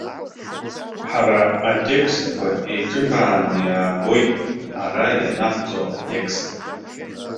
Ҳара атекстқәа еиҿыбааны иаагоит ара ианаҳҵо атекст.